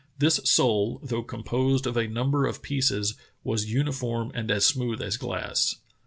This sole, though composed of a number of pieces, was uniform and as smooth as glass.